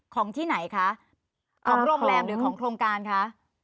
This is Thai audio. ของที่ไหนคะของโรงแรมหรือของโครงการคะ